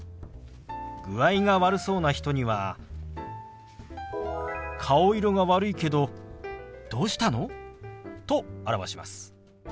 具合が悪そうな人には「顔色が悪いけどどうしたの？」と表します。